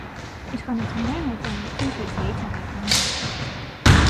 Իշխանությունները հայտարարեցին ցույցերի չեղարկման մասին։